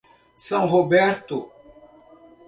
São Roberto